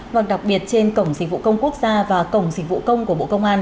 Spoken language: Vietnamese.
vâng đặc biệt trên cổng dịch vụ công quốc gia và cổng dịch vụ công của bộ công an